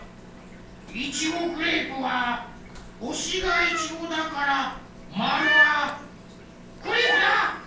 いちごクレープはほしがいちごだからまるはクレープだ！